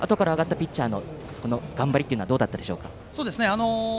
あとから上がったピッチャーの頑張りはどうでしたか。